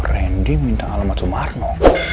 randy minta alamat sumarno